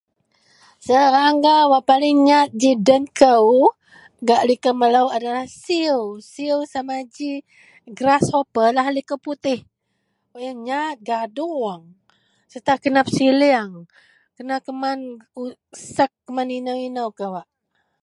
Serangga wak paling ngat ji den kou gak liko melo, adalah siew. Siew sama ji grasshoper laei liko putih. Iyen ngat gadong serta kena pesileng, kena keman siek, keman ino-ino kawak.